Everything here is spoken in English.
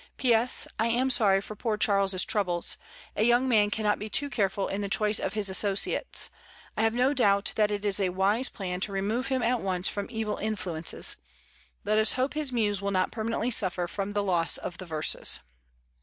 "P.S. — I am sorry for poor Charles's troubles. A young man cannot be too careful in the choice of his associates. I have no doubt that it is a wise plan to remove him at once from evil influences. "TEI.L ME WHY SUSANNA'S FAIR." 65 Let US hope his muse will not permanently suffer from the loss of the verses."